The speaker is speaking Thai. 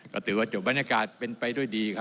ก็ถือว่าจบบรรยากาศเป็นไปด้วยดีครับ